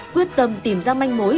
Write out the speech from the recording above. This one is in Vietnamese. quyết tâm tìm ra manh mối